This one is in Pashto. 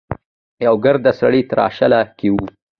يوه ګردي سړی تراشله کې و.